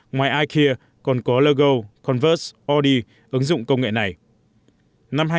ngoài ikea còn có lego converse audi ứng dụng công nghệ này